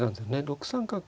６三角。